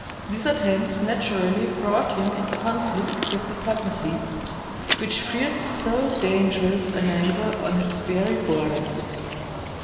These attempts naturally brought him into conflict with the papacy, which feared so dangerous a neighbor on its very borders.